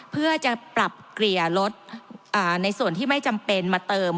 เพื่อจะปรับเกลี่ยรถในส่วนที่ไม่จำเป็นมาเติม